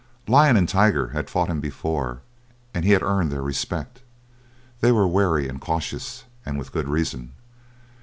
Lion and Tiger had fought him before, and he had earned their respect. They were wary and cautious, and with good reason.